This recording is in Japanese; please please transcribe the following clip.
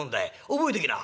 覚えときな」。